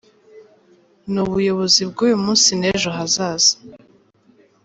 Ni ubuyobozi bw’uyu munsi n’ejo hazaza.